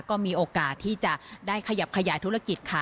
ก็มีโอกาสที่จะได้ขยับขยายธุรกิจค่ะ